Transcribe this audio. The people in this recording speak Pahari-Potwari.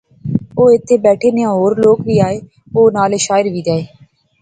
او ایتھیں بیٹھے نیاں ہور لوک وی آئے وہ نالے شاعر وی آئے